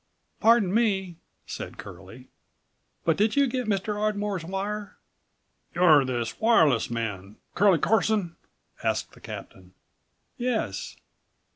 "Pardon me," said Curlie, "but did you get Mr. Ardmore's wire?" "You're this wireless man, Curlie Carson?" asked the captain. "Yes."